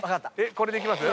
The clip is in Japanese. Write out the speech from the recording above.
これでいきます？